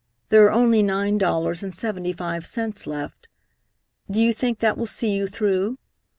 There are only nine dollars and seventy five cents left. Do you think that will see you through?